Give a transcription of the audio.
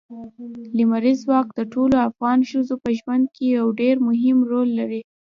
لمریز ځواک د ټولو افغان ښځو په ژوند کې یو ډېر مهم رول لري.